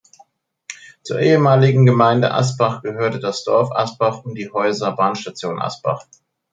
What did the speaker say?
Zur ehemaligen Gemeinde Asbach gehören das Dorf Asbach und die Häuser Bahnstation Asbach.